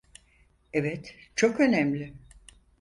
Evet, çok önemli.